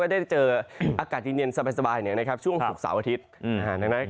ก็จะเจออากาศหญิงเย็นสบายนะครับช่วงฝุกเสาร์อาทิตย์